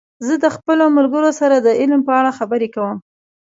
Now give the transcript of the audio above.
زه د خپلو ملګرو سره د علم په اړه خبرې کوم.